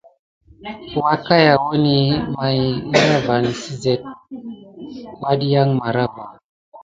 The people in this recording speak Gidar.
Wakayawəni ɓay inda vaŋ si sezti wuadiya marava.